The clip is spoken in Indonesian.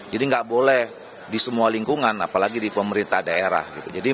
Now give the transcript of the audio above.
jadi nggak boleh di semua lingkungan apalagi di pemerintah daerah